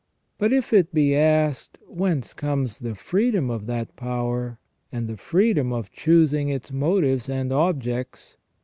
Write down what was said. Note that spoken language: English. But if it be asked. Whence comes the freedom of that power, and the freedom of choosing its motives and objects?